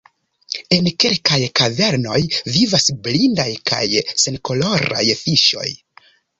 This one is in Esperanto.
En kelkaj kavernoj vivas blindaj kaj senkoloraj fiŝoj.